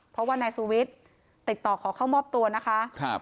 เพราะว่านายสุวิทย์ติดต่อขอเข้ามอบตัวนะคะ